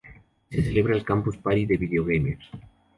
Hoy se celebra el campus party de video gamer